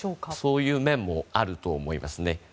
そういう面もあると思いますね。